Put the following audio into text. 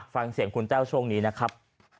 ฟังเสียงคุณแต้วช่วงนี้นะครับ